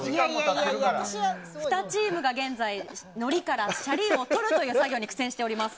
２チームが現在のりからシャリをとるという作業に苦戦しております。